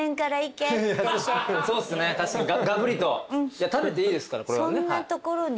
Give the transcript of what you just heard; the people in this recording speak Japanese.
いや食べていいですからこれはね。